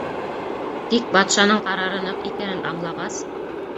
Тик батшаның ҡарары ныҡ икәнен аңлағас: